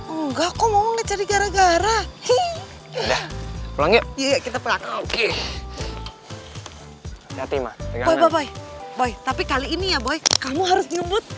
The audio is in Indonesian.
enggak kok mau cari gara gara udah ulang yuk kita pelan oke tapi kali ini ya boy kamu harus nyebut